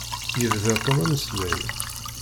Yebda Tom ameslay.